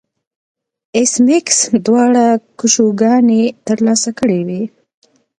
ایس میکس دواړه کشوګانې ترلاسه کړې وې